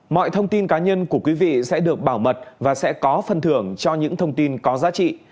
mọi thông tin cá nhân của quý vị sẽ được bảo mật và sẽ có phân thưởng cho những thông tin có giá trị